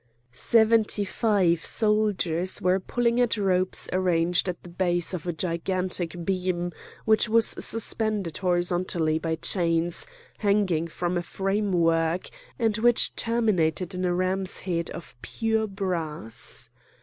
Seventy five soldiers were pulling at ropes arranged at the base of a gigantic beam which was suspended horizontally by chains hanging from a framework, and which terminated in a ram's head of pure brass.